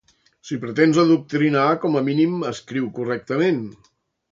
Si pretens adoctrinar com a mínim escriu correctament